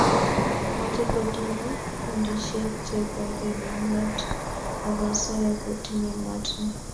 mache kotinye kundishek che borie namet ab asoya kotinye mat ne